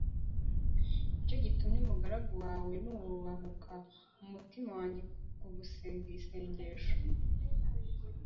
ni cyo gitumye umugaragu wawe nubahuka mu mutima wanjye kugusenga iri sengesho.